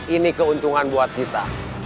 ini keuntungan buat kita